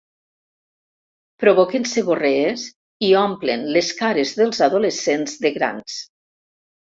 Provoquen seborrees i omplen les cares dels adolescents de grans.